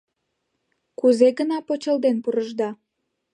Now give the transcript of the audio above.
Кузе гына почылден пурышда.